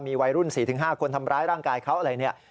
วัยรุ่น๔๕คนทำร้ายร่างกายเขาอะไรเนี่ย